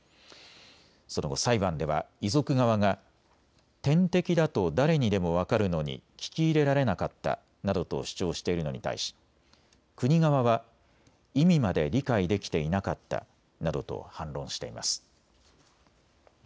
その後、裁判では遺族側が点滴だと誰にでも分かるのに聞き入れられなかったなどと主張しているのに対し、国側は意味まで理解できていなかったなどと反論しています。